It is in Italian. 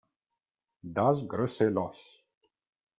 Das große Los